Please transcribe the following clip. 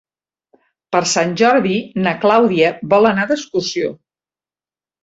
Per Sant Jordi na Clàudia vol anar d'excursió.